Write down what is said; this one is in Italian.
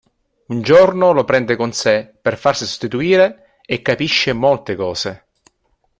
Un giorno lo prende con se per farsi sostituire, e capisce molte cose.